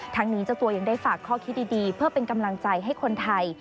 นี้เจ้าตัวยังได้ฝากข้อคิดดีเพื่อเป็นกำลังใจให้คนไทย